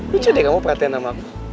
lucu deh kamu perhatian sama aku